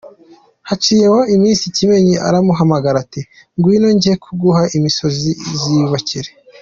Haciyeho iminsi Kimenyi aramuhamagara; ati “Ngwino njye kuguha imisozi uziyubakire!”.